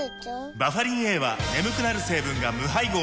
バファリンＡは眠くなる成分が無配合なんです